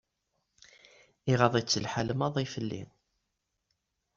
Iɣaḍ-itt lḥal maḍi fell-i.